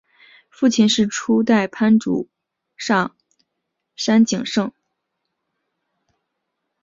父亲是初代藩主上杉景胜。